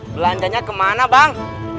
belanjanya kemana bang